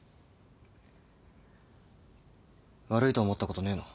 悪いと思ったことねえの？